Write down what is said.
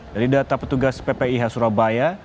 dari data petugas ppih surabaya